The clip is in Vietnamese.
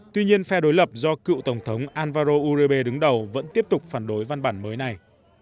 tuy nhiên phe đối lập do cựu tổng thống alvaro urebe đứng đầu vẫn tiếp tục phản đối văn bản mới này